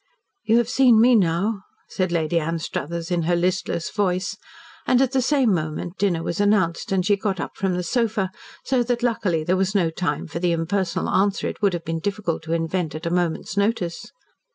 "You have seen me now," said Lady Anstruthers in her listless voice, and at the same moment dinner was announced and she got up from the sofa, so that, luckily, there was no time for the impersonal answer it would have been difficult to invent at a moment's notice.